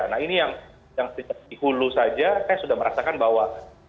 nah ini yang dihulu saja saya sudah merasakan bahwa